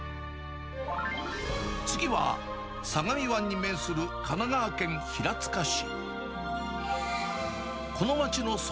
次は、相模湾に面する神奈川県平塚市。